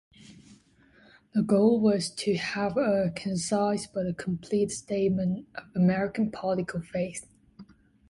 The goal was to have a concise but complete statement of American political faith.